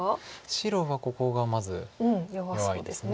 白はここがまず弱いです。